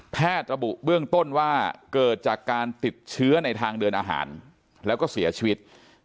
ระบุเบื้องต้นว่าเกิดจากการติดเชื้อในทางเดินอาหารแล้วก็เสียชีวิต